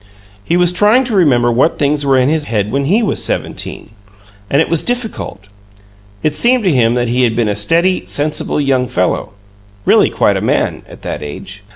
He was trying to remember what things were in his head when he was seventeen, and it was difficult. It seemed to him that he had been a steady, sensible young fellow really quite a man at that age.